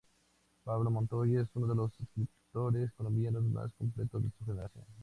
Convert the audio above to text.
Pablo Montoya es uno de los escritores colombianos más completos de su generación.